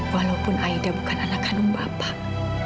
walaupun aida bukan anak kandung bapak